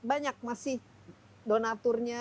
banyak masih donaturnya